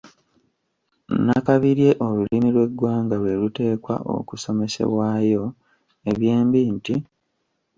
Nnakabirye olulimi lw’Eggwanga lwe luteekwa okusomesebwayo; ebyembi nti